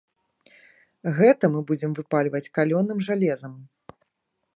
Гэта мы будзем выпальваць калёным жалезам.